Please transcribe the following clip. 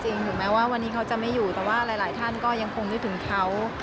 ถึงแม้ว่าวันนี้เขาจะไม่อยู่แต่ว่าหลายท่านก็ยังคงนึกถึงเขา